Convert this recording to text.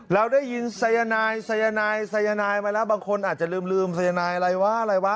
เราได้ยินสายนายสายนายสายนายมาแล้วบางคนอาจจะลืมสายนายอะไรวะอะไรวะ